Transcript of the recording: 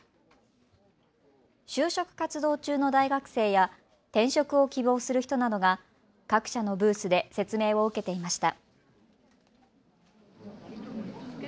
就職活動中の大学生や転職を希望する人などが各社のブースで説明を受けていました。